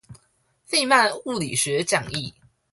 費曼物理學講義